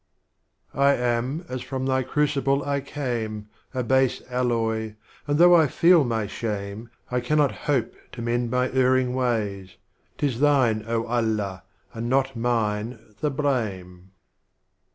I. T am as from Thy Crucible I came, A Base Alloy, and though I feel my shame, I cannot hope to mend my erring ways, — 'Tis Thine, oh Allah, and not mine, the Blame.